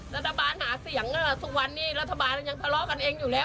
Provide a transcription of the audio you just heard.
รัฐบาลหาเสียงทุกวันนี้รัฐบาลยังทะเลาะกันเองอยู่แล้ว